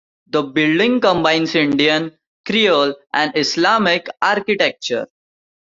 The building combines Indian, Creole and Islamic architecture.